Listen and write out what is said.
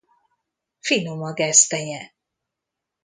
Finom a gesztenye.